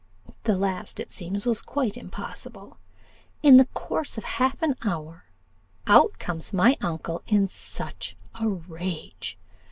The last, it seems, was quite impossible. In the course of half an hour, out comes my uncle in such a rage!